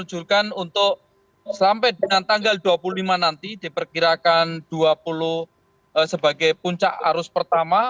menunjukkan untuk sampai dengan tanggal dua puluh lima nanti diperkirakan dua puluh sebagai puncak arus pertama